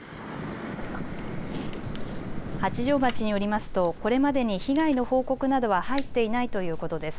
八丈町によりますとこれまでに被害の報告などは入っていないということです。